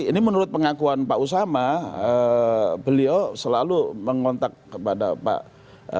ini menurut pengakuan pak usama beliau selalu mengontak kepada pak